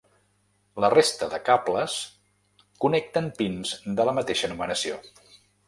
La resta de cables connecten pins de la mateixa numeració.